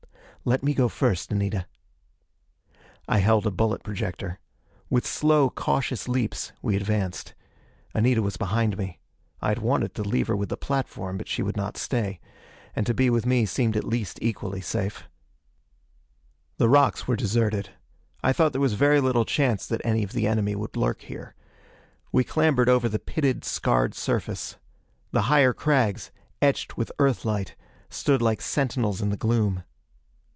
"Let me go first, Anita." I held a bullet projector. With slow, cautious leaps, we advanced. Anita was behind me. I had wanted to leave her with the platform, but she would not stay. And to be with me seemed at least equally safe. The rocks were deserted. I thought there was very little chance that any of the enemy would lurk here. We clambered over the pitted, scarred surface. The higher crags, etched with Earthlight, stood like sentinels in the gloom.